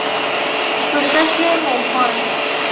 تشک مهمان